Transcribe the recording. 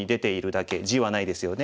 地はないですよね。